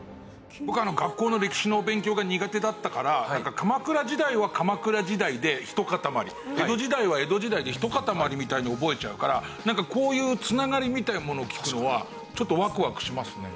僕学校の歴史の勉強が苦手だったから鎌倉時代は鎌倉時代でひと塊江戸時代は江戸時代でひと塊みたいに覚えちゃうからこういう繋がりみたいなものを聞くのはちょっとワクワクしますね。